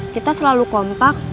kita selalu kompak